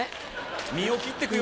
身を切ってくよ。